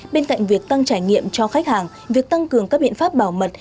bên cạnh việc tăng trải nghiệm cho khách hàng việc tăng cường các biện pháp bảo mật